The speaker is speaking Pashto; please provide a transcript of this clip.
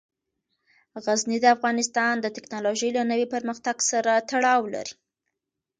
غزني د افغانستان د تکنالوژۍ له نوي پرمختګ سره تړاو لري.